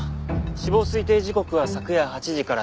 死亡推定時刻は昨夜８時から１０時頃。